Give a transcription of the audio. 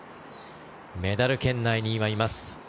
メダル圏内に今、います。